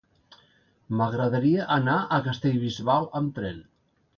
M'agradaria anar a Castellbisbal amb tren.